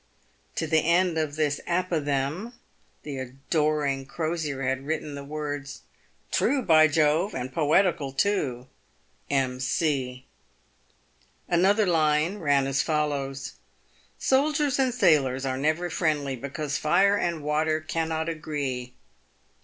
To the end of this apothegm the adoring Crosier had added the words :" True, by Jove ! and poetical, too. — M. C." Another line ran as follows :" Soldiers and sailors are never friendly, because fire and water cannot agree."